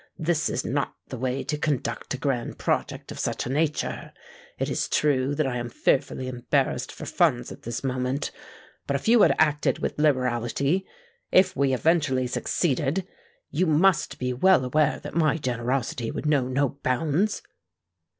This is not the way to conduct a grand project of such a nature. It is true that I am fearfully embarrassed for funds at this moment; but if you had acted with liberality—if we eventually succeeded—you must be well aware that my generosity would know no bounds."